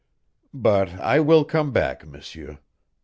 But I will come back, M'seur.